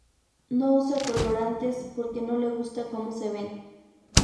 No usa colorantes porque no le gusta como se ven.